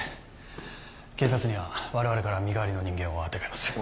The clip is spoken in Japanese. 警察にはわれわれから身代わりの人間をあてがいます。